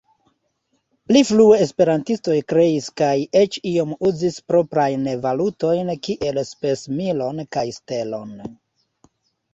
Pli frue esperantistoj kreis kaj eĉ iom uzis proprajn valutojn kiel Spesmilon kaj Stelon.